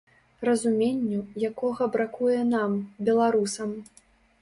Разуменню, якога бракуе нам, беларусам.